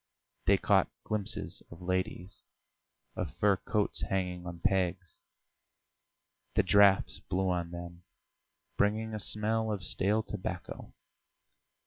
They caught glimpses of ladies, of fur coats hanging on pegs; the draughts blew on them, bringing a smell of stale tobacco.